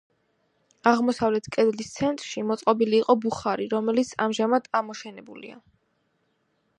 აღმოსავლეთ კედლის ცენტრში მოწყობილი იყო ბუხარი, რომელიც ამჟამად ამოშენებულია.